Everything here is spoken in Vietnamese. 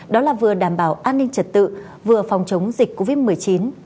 đó là vừa đảm bảo an ninh trật tự vừa phòng chống dịch covid một mươi chín